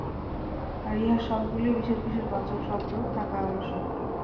আর ইহার সবগুলিরই বিশেষ বিশেষ বাচক শব্দ থাকা আবশ্যক।